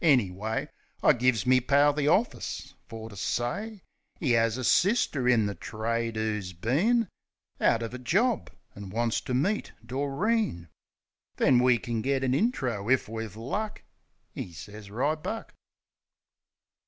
Anyway, I gives me pal the orfis fer to say 'E 'as a sister in the trade 'oo's been Out uv a jorb, an' wants ter meet Doreen; Then we kin get an intro, if we've luck. 'E sez, "Ribuck."